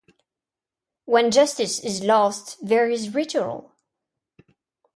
When justice is lost, there is ritual.